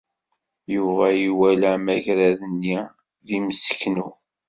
Yuba iwala amagrad-nni d imseknu.